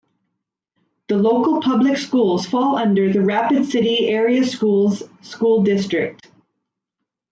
The local public schools fall under the Rapid City Area Schools school district.